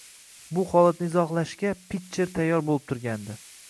Bu holatni izohlashga Pitcher tayyor bo`lib turgandi